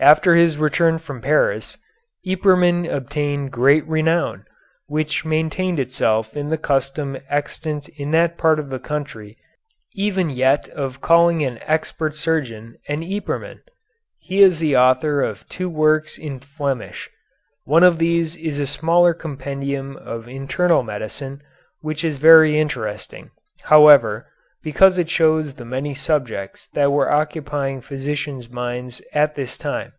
After his return from Paris, Yperman obtained great renown, which maintained itself in the custom extant in that part of the country even yet of calling an expert surgeon an Yperman. He is the author of two works in Flemish. One of these is a smaller compendium of internal medicine, which is very interesting, however, because it shows the many subjects that were occupying physicians' minds at that time.